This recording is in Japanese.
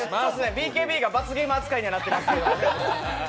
ＢＫＢが罰ゲーム扱いになってますけど。